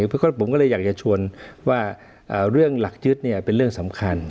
เพราะฉะนั้นผมก็เลยอยากจะชวนว่าเรื่องหลักยึดเป็นเรื่องสำคัญ